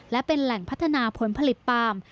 และเป็นแหล่งพัฒนาผลผลิตปาล์ม